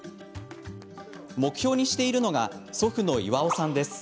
目標にしているのが祖父の巌さんです。